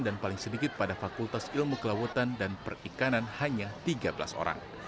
dan paling sedikit pada fakultas ilmu kelawatan dan perikanan hanya tiga belas orang